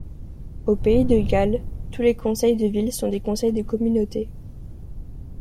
Au pays de Galles, tous les Conseils de ville sont des Conseils de communauté.